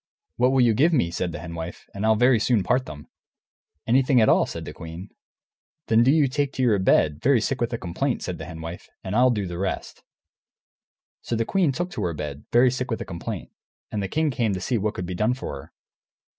"What will you give me," said the Hen Wife, "and I'll very soon part them?" "Anything at all," said the queen. "Then do you take to your bed, very sick with a complaint," said the Hen Wife, "and I'll do the rest." So the queen took to her bed, very sick with a complaint, and the king came to see what could be done for her.